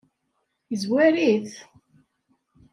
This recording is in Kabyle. Yezwar-it?